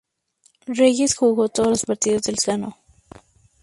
Reyes jugó todos los partidos del Sudamericano.